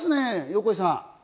横井さん。